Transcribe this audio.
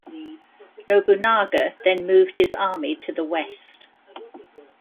Nobunaga then moved his army to the west.